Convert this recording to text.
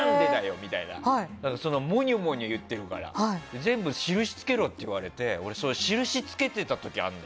モニョモニョ言ってるから全部印つけろって言われて印付けてた時があったの。